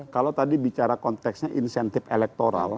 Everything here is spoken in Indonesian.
kalau tadi bicara konteksnya insentif elektoral